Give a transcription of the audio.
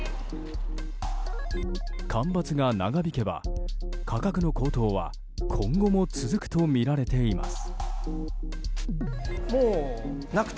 干ばつが長引けば価格の高騰は今後も続くとみられています。